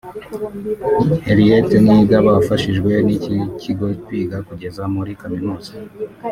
Henriette Niyigaba wafashijwe n’iki kigo kwiga kugeza muri kaminuza